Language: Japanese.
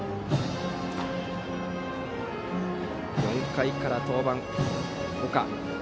４回から登板、岡。